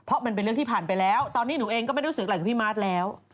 อันนี้หนูเองก็ไม่รู้สึกเหมือนพี่มาสแล้ว